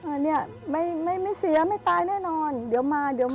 อันนี้ไม่ไม่เสียไม่ตายแน่นอนเดี๋ยวมาเดี๋ยว